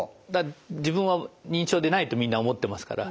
自分は認知症でないとみんな思ってますから。